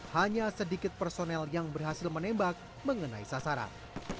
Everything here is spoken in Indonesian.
hanya sedikit personel yang berhasil menembak mengenai sasaran